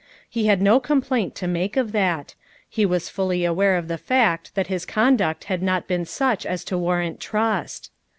ITe had no complaint to make of that; he was fully aware of the fact that his conduct had not been such as to warrant trust.